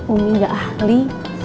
umi gak ahli